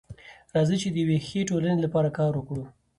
راځئ چي د يوې ښې ټولني لپاره کار وکړو.